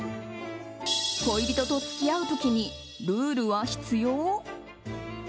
恋人と付き合う時にルールは必要？